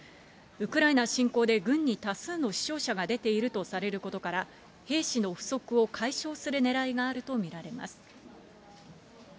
ウクライナ侵攻で軍に多数の死傷者が出ているとされることから、兵士の不足を解消するねらいがあると見られます。